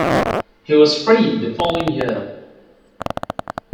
He was freed the following year.